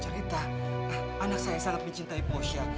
saya cerita anak saya sangat mencintai pausya